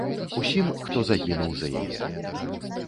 Усім, хто загінуў за яе.